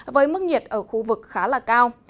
với mức nhiệt ở khu vực khá là cao